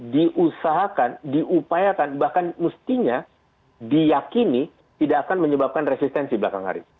diusahakan diupayakan bahkan mestinya diyakini tidak akan menyebabkan resistensi belakang hari